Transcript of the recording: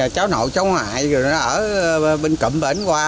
cháu nội cháu ngoại ở bên cầm bển qua